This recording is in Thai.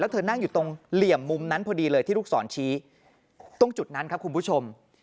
เธอนั่งอยู่ตรงเหลี่ยมมุมนั้นพอดีเลยที่ลูกศรชี้ตรงจุดนั้นครับคุณผู้ชม